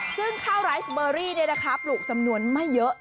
ซึ่งข้าวไรซ์เบอรี่เนี่ยนะคะปลูกจำนวนไม่เยอะ